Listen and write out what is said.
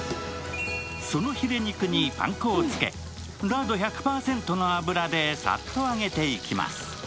そのヒレ肉にパン粉をつけラード１００％の油でサッと揚げていきます。